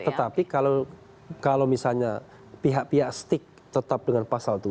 tetapi kalau misalnya pihak pihak stick tetap dengan pasal tujuh